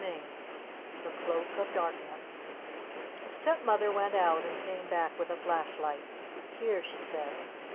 CHAPTER XI THE CLOAK OF DARKNESS The Stepmother went out and came back with a flashlight. "Here," she said.